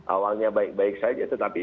awalnya baik baik saja tetapi